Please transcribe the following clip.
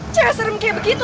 caya serem kayak begitu